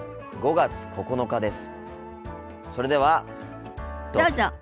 ５月９日です。